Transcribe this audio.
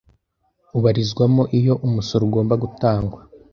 ubarizwamo Iyo umusoro ugomba gutangwa